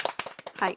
はい。